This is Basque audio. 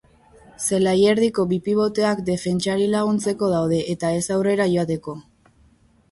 Zelai erdiko bi piboteak defentsari laguntzeko daude eta ez aurrera joateko.